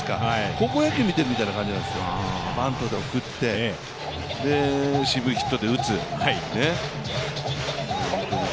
高校野球見てる感じみたいなんですよ、バントで送って渋いヒットで打つ。